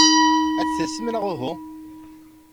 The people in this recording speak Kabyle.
Ad d-tasem neɣ uhu?